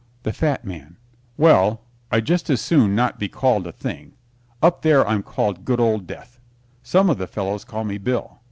THE FAT MAN Well, I'd just as soon not be called a thing. Up there I'm called good old Death. Some of the fellows call me Bill.